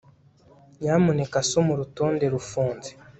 Nyamuneka soma urutonde rufunze